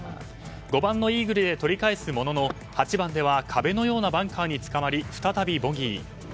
５番のイーグルで取り返すものの８番では壁のようなバンカーにつかまり再びボギー。